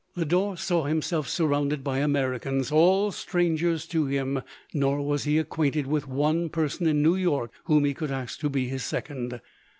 Lodore saw himself surrounded by Ameri cans, all strangers to him ; nor was he acquainted with one person in New York whom he could ask to be his second.